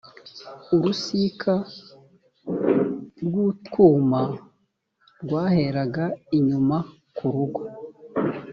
urusika rw utwumba rwaheraga inyuma ku rugo